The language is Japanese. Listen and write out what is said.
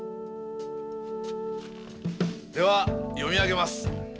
では読み上げます。